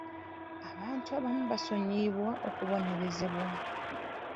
Abantu abamu basonyiyibwa okubonerezebwa.